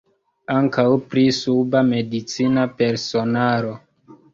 Ankaŭ pri suba medicina personaro.